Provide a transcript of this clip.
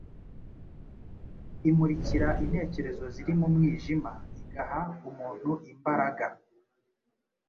Imurikira intekerezo ziri mu mwijima igaha umuntu imbaraga